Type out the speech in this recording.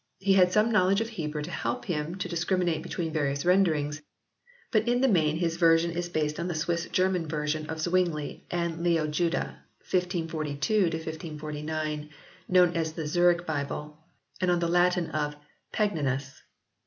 He had some knowledge of Hebrew to help him to discriminate between various renderings, but in the main his ver sion is based on the Swiss German version of Zwingli and Leo Juda (1542 9), known as the Zurich Bible, and on the Latin of Pagninus.